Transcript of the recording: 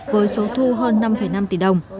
với số thu hơn năm năm tỷ đồng